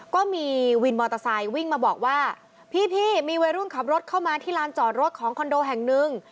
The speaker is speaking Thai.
ก็มีวินมอเตอร์ไซค์วิ่งมาบอกว่าพี่มีวัยรุ่นขับรถเข้ามาที่ลานจอดรถของคอนโดแห่งหนึ่ง